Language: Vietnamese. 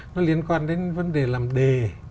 nó liên quan đến vấn đề làm đề